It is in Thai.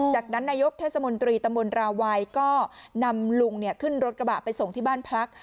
อ๋อจากนั้นนายกเทศมนตรีตระบวนราวายก็นำลุงเนี่ยขึ้นรถกระบะไปส่งที่บ้านพลักษณ์